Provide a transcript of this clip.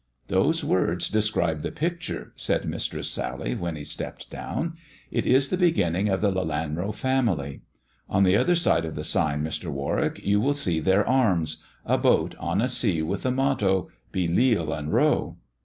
" Those words describe the picture," said Mistress Sally, when he stepped down, " it is the beginning of the Lelanro family. On the other side of the sign, Mr. Warwick, you will see their arms ; a boat on a sea with the motto ' Be Leal and Row.'